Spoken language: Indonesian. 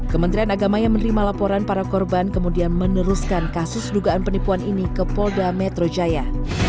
kementerian agama yang menerima laporan para korban kemudian meneruskan kasus dugaan penipuan ini ke polda metro jaya